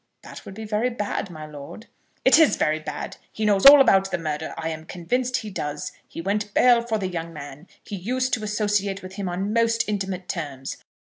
"That would be very bad, my lord." "It is very bad. He knows all about the murder; I am convinced he does. He went bail for the young man. He used to associate with him on most intimate terms.